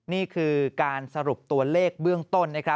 นี่คือการสรุปตัวเลขเบื้องต้น